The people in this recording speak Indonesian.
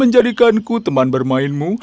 jadikanku teman bermainmu